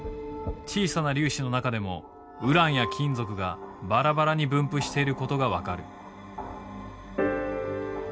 小さな粒子の中でもウランや金属がバラバラに分布していることが分かる。